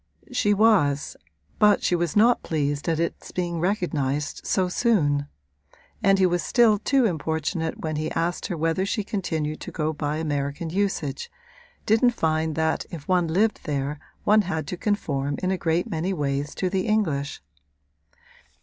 She was, but she was not pleased at its being recognised so soon; and he was still too importunate when he asked her whether she continued to go by American usage, didn't find that if one lived there one had to conform in a great many ways to the English.